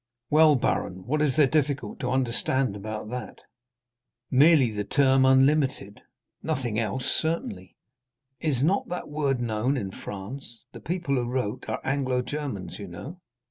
"Well, baron, what is there difficult to understand about that?" "Merely the term unlimited—nothing else, certainly." "Is not that word known in France? The people who wrote are Anglo Germans, you know."